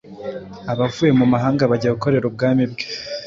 abavuye mu mahanga bajya gukorera ubwami bwe.